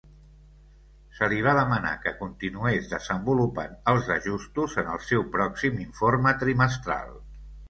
Se li va demanar que continués desenvolupant els ajustos en el seu pròxim informe trimestral.